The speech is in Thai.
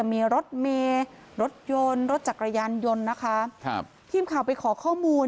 มีรถเมล์รถยนต์รถจักรยานยนต์พิมพ์ข่าวไปขอข้อมูล